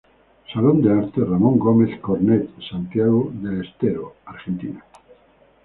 Salón de arte Ramón Gómez Cornet Santiago del Estero, Argentina.